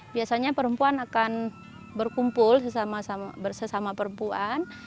biasanya perempuan akan berkumpul bersama perempuan